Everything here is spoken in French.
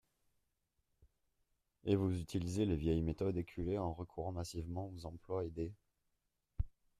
Et vous utilisez les vieilles méthodes éculées en recourant massivement aux emplois aidés.